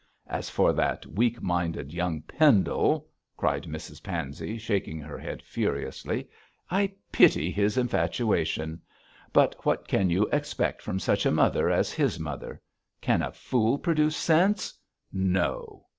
As for that weak minded young Pendle,' cried Mrs Pansey, shaking her head furiously, 'I pity his infatuation; but what can you expect from such a mother as his mother? Can a fool produce sense? No!'